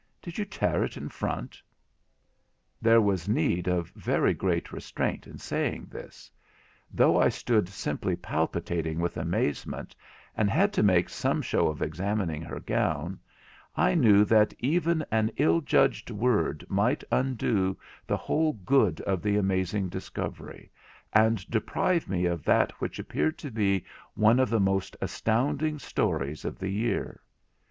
Did you tear it in front?' There was need of very great restraint in saying this. Though I stood simply palpitating with amazement, and had to make some show of examining her gown, I knew that even an ill judged word might undo the whole good of the amazing discovery, and deprive me of that which appeared to be one of the most astounding stories of the year.